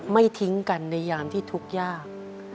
ไม่ทิ้งกันในยามที่ทุกข์ยาก